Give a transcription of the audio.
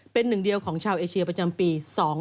เป็นหนึ่งเดียวของชาวเอเชียประจำปี๒๕๖